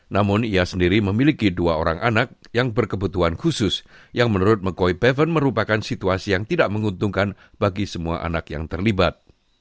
namun ia sendiri memiliki dua orang anak yang berkebutuhan khusus yang menurut mekoi paven merupakan situasi yang tidak menguntungkan bagi semua anak yang terlibat